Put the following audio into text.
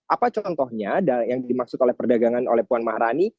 apa contohnya yang dimaksud oleh perdagangan oleh puan maharani